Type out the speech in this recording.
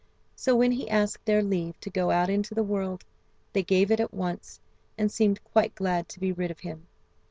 So when he asked their leave to go out into the world they gave it at once, and seemed quite glad to be rid of him.